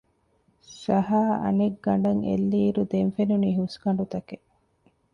ސަހާ އަނެއްގަނޑަށް އެއްލިއިރު ދެން ފެނުނީ ހުސްގަނޑުތަކެއް